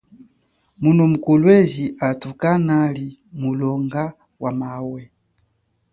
Muno mu Kolwezi athu kanali mulonga wa mawe.